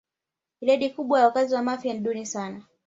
Idadi kubwa ya wakazi wa Mafia ni duni sana